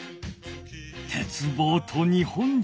鉄棒と日本人。